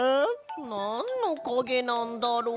なんのかげなんだろう？